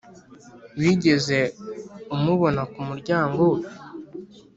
wigeze umubona kumuryango we,